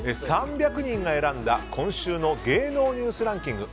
３００人が選んだ今週の芸能ニュースランキング